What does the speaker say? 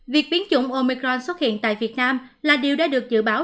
việc biến chủng omicron xuất hiện tại việt nam là điều đã được dự báo